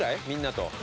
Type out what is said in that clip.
みんなと。